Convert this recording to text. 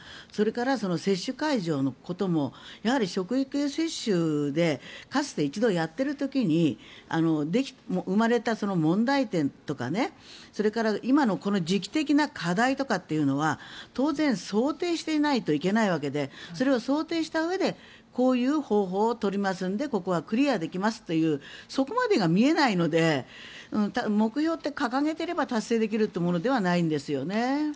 それから接種会場のこともやはり職域接種でかつて１度やっている時に生まれた問題点とか、それから今の時期的な課題というのは当然、想定していないといけないわけでそれを想定したうえでこういう方法を取りますのでここはクリアできますというそこまでが見えないので目標って掲げていれば達成できるものではないんですよね。